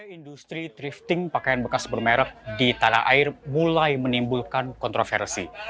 industri drifting pakaian bekas bermerek di tanah air mulai menimbulkan kontroversi